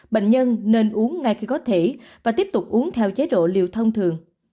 bệnh nhân nên uống ngay khi có thể và tiếp tục uống theo chế độ liều thông thường